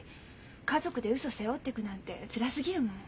家族でウソ背負っていくなんてつらすぎるもん。